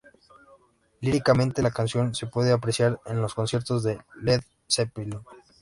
Líricamente, la canción se puede apreciar en los conciertos de Led Zeppelin.